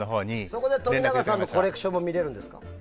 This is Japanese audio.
そこで冨永さんのコレクションも見れるんですか？